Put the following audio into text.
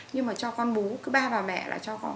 nhưng mà cho con bú cứ ba bà mẹ lại cho con